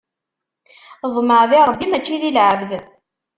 Ḍmeɛ di Ṛebbi, mačči di lɛebd!